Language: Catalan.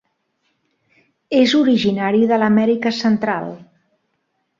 És originari de l'Amèrica Central.